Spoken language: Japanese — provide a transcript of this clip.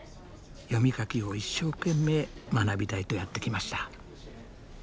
読み書きを一生懸命学びたいとやって来ました。